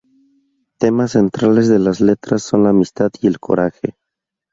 Temas centrales de las letras son la amistad y el coraje.